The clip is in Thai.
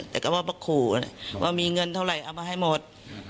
แต่ก็ว่ามาขู่ว่ามีเงินเท่าไหร่เอามาให้หมด